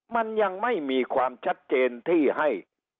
มันยังไม่มีความชัดเจนที่ให้